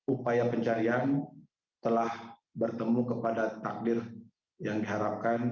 upaya pencarian telah bertemu kepada takdir yang diharapkan